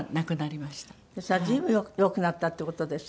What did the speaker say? それは随分良くなったっていう事ですよね。